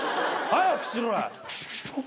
早くしろや！